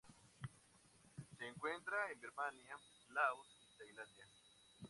Se encuentra en Birmania, Laos y Tailandia.